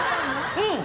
うん。